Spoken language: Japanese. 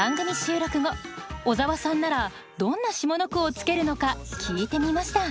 小沢さんならどんな下の句をつけるのか聞いてみました。